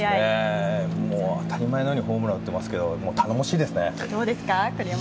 当たり前のようにホームラン打ってますけど頼もしいですね。